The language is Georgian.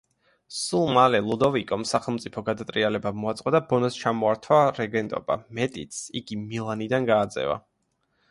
სულ მალე ლუდოვიკომ სახელმწიფო გადატრიალება მოაწყო და ბონას ჩამოართვა რეგენტობა, მეტიც, იგი მილანიდან გააძევა.